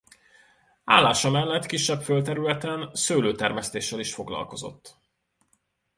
Állása mellett kisebb földterületen szőlőtermesztéssel is foglalkozott.